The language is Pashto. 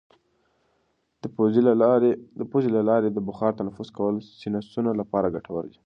د پوزې له لارې د بخار تنفس کول د سینوسونو لپاره ګټور دي.